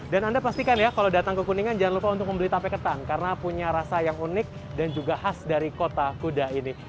dan anda pastikan ya kalau datang ke kuningan jangan lupa untuk membeli tape ketan karena punya rasa yang unik dan juga khas dari kota kuda ini